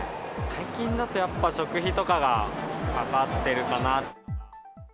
最近だとやっぱ、食費とかがかかってるかな。